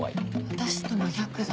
私と真逆だ。